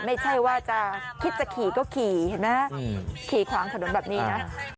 ไม่ใช่ว่าจะคิดจะขี่ก็ขี่เห็นไหมขี่ขวางถนนแบบนี้นะ